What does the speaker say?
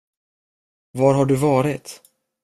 Var har du varit?